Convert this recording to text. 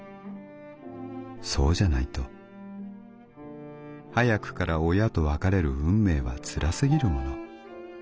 そうじゃないと早くから親と別れる運命は辛すぎるもの」。